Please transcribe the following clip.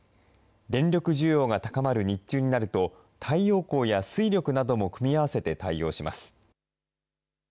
電力需要が高まる日中になると、太陽光や水力なども組み合わせて対応します。